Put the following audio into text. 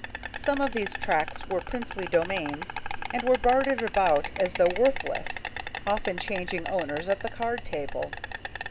Some of these tracts were princely domains, and were bartered about as though worthless, often changing owners at the card table.